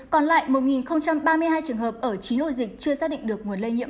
còn lại một ba mươi hai trường hợp ở chín ổ dịch chưa xác định được nguồn lây nhiễm